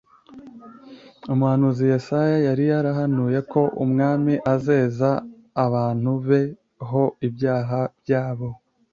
Umuhanuzi Yesaya yari yarahanuye ko Umwami azeza abantu be ho ibyaha byabo